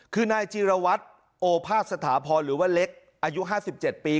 คือนายจีรวัตรโอภาษสถาพรหรือว่าเล็กอายุ๕๗ปี